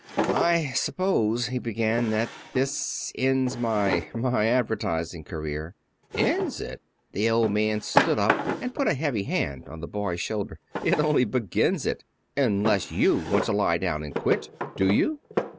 "I suppose," he began, "that this ends my my advertising career." "Ends it!" The Old Man stood up and put a heavy hand on the boy's shoulder. "It only begins it. Unless you want to lie down and quit. Do you?"